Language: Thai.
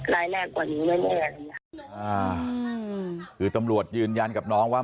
ร้ายแรงกว่านี้แม่งแม่งอ่าคือตำรวจยืนยันกับน้องว่า